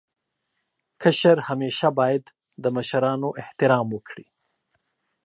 کشر همېشه باید د مشرانو احترام وکړي.